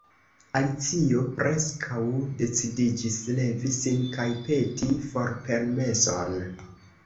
Alicio preskaŭ decidiĝis levi sin kaj peti forpermeson.